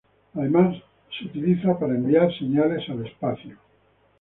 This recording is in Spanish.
Además, se utiliza para enviar señales al espacio.